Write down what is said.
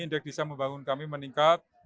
indeks desa membangun kami meningkat